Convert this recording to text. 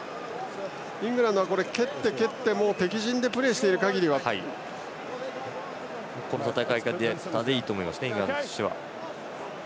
イングランドは蹴って蹴って、もう敵陣でこの戦い方でいいと思いますイングランドとしては。